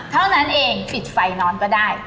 เท่านั้นเองปิดไฟนอนก็ได้